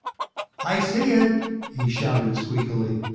"I see it," he shouted, squeakily.